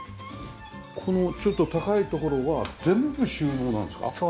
このちょっと高い所は全部収納なんですか？